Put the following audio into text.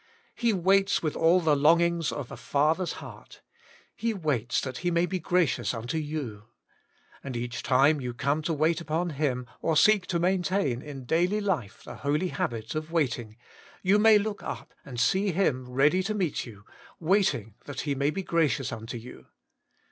He waits with all the longings of a father's heart. He waits that He may be gracious unto you. And each time you come to wait upon Him, or seek to maintain in daily life the holy habit of wait^ ing, you may look up and see Him ready to meet you, waiting that He may be gracious imto you.